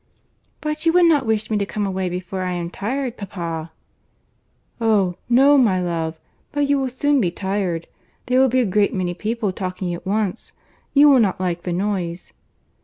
"But you would not wish me to come away before I am tired, papa?" "Oh! no, my love; but you will soon be tired. There will be a great many people talking at once. You will not like the noise."